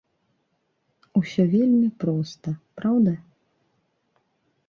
Усё вельмі проста, праўда?